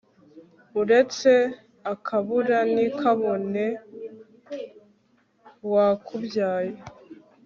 uretse akabura ntikabone wakubyaye